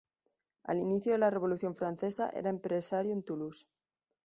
Al inicio de la Revolución francesa era empresario en Toulouse.